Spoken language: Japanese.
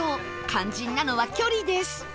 肝心なのは距離です